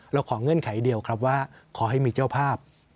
ขอเงื่อนไขเดียวครับว่าขอให้มีเจ้าภาพ